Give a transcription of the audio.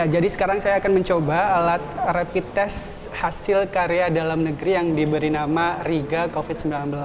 jadi sekarang saya akan mencoba alat rapid test hasil karya dalam negeri yang diberi nama riga covid sembilan belas